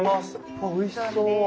あっおいしそう。